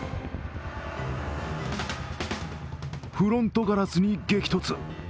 フロントガラスに激突。